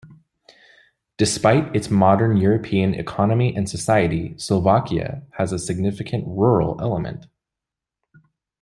Despite its modern European economy and society, Slovakia has a significant rural element.